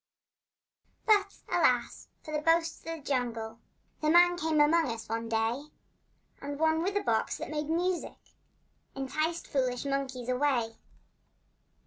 But, alas, for the boasts of the jungle! The men came among us one day, And one with a box that made music Enticed foolish monkeys away.